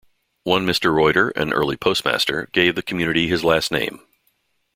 One Mr. Reuter, an early postmaster, gave the community his last name.